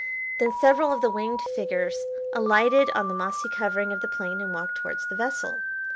Then several of the winged figures alighted on the mossy covering of the plain and walked towards the vessel.